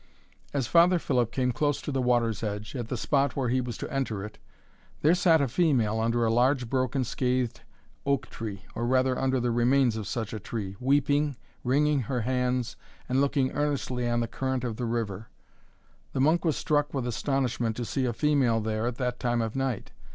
As Father Philip came close to the water's edge, at the spot where he was to enter it, there sat a female under a large broken scathed oak tree, or rather under the remains of such a tree, weeping, wringing her hands, and looking earnestly on the current of the river. The monk was struck with astonishment to see a female there at that time of night.